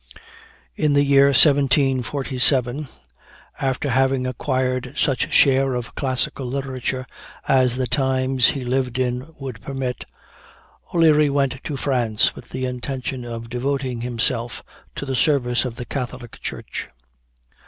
In the year 1747, after having acquired such share of classical literature as the times he lived in would permit, O'Leary went to France, with the intention of devoting himself to the service of the Catholic Church.